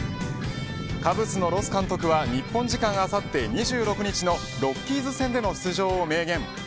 カブスのロス監督は日本時間あさって、２６日のロッキーズ戦での出場を明言。